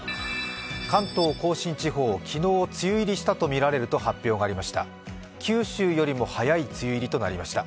関東甲信地方、昨日梅雨入りしたとみられると発表しました。